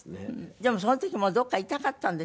でもその時もどこか痛かったんでしょ？